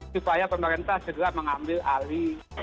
supaya pemerintah segera mengambil alih